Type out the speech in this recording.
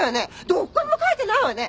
どこにも書いてないわよね。